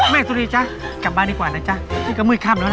แม่สุรีจ๊ะกลับบ้านดีกว่านะที่จะมืดขัมแล้วนะ